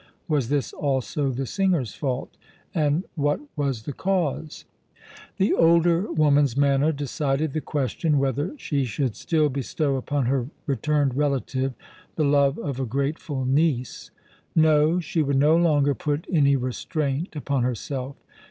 Was this also the singer's fault? And what was the cause? The older woman's manner decided the question whether she should still bestow upon her returned relative the love of a grateful niece. No, she would no longer put any restraint upon herself.